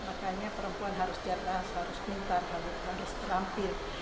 makanya perempuan harus cerdas harus pintar harus terampil